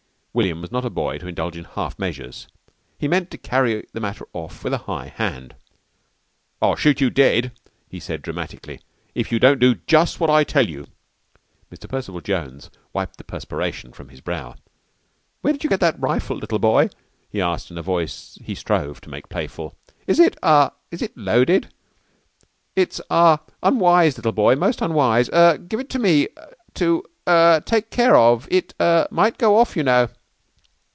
William was not a boy to indulge in half measures. He meant to carry the matter off with a high hand. "I'll shoot you dead," he said dramatically, "if you don't do jus' what I tell you." Mr. Percival Jones wiped the perspiration from his brow. "Where did you get that rifle, little boy?" he asked in a voice he strove to make playful. "Is it ah is it loaded? It's ah unwise, little boy. Most unwise. Er give it to me to er take care of. It er might go off, you know."